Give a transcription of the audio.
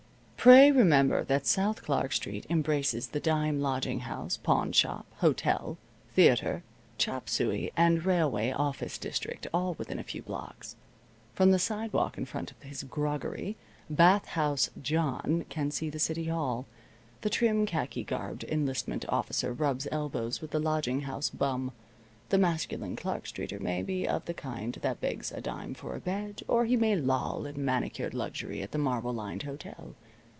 Pray remember that South Clark Street embraces the dime lodging house, pawnshop, hotel, theater, chop suey and railway office district, all within a few blocks. From the sidewalk in front of his groggery, "Bath House John" can see the City Hall. The trim, khaki garbed enlistment officer rubs elbows with the lodging house bum. The masculine Clark Streeter may be of the kind that begs a dime for a bed, or he may loll in manicured luxury at the marble lined hotel.